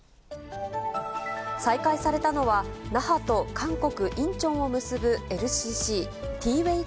再開されたのは、那覇と韓国・インチョンを結ぶＬＣＣ・ティーウェイ